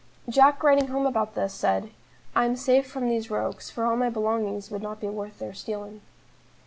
Jack writing home about this said: "I am safe from these rogues, for all my belongings would not be worth their stealing."